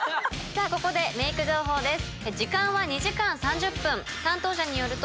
ここでメイク情報です。